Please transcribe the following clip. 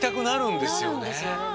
なるんですよね。